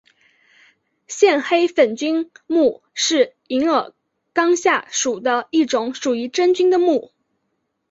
线黑粉菌目是银耳纲下属的一种属于真菌的目。